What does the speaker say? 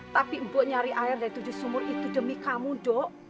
tapi ibu nyari air dari tujuh sumur itu demi kamu dok